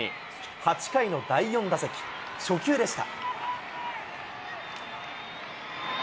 ８回の第４打席、初球でした。